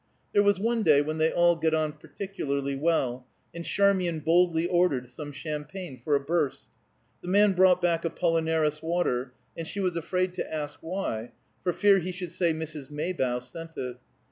There was one day when they all got on particularly well, and Charmian boldly ordered some champagne for a burst. The man brought back Apollinaris water, and she was afraid to ask why, for fear he should say Mrs. Maybough sent it.